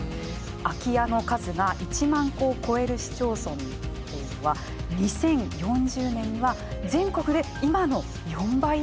空き家の数が１万戸を超える市町村っていうのは２０４０年には全国で今の４倍以上になると予想されているんです。